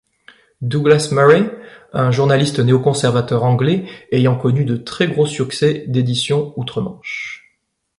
Douglas Murray, un journaliste néo-conservateur anglais ayant connu de très gros succès d'édition outre-Manche.